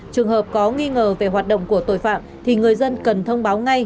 trường hợp có nghi ngờ về hoạt động của tội phạm thì người dân cần thông báo ngay